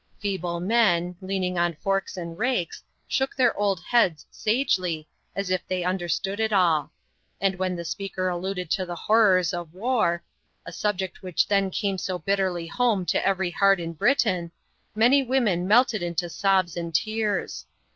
Feeble men, leaning on forks and rakes, shook their old heads sagely, as if they understood it all. And when the speaker alluded to the horrors of war a subject which then came so bitterly home to every heart in Britain many women melted into sobs and tears.